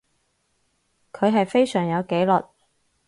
佢係非常有紀律